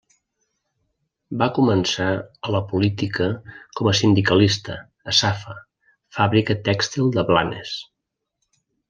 Va començar a la política com a sindicalista, a Safa, fàbrica tèxtil de Blanes.